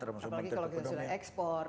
apalagi kalau kita sudah ekspor